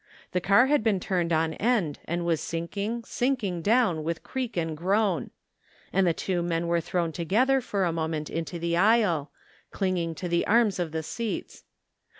The car had been turned on end and was sinking, sinking down with creak and groan; and the two men were thrown to gether for a moment into the aisle, clinging to the arms of the seats.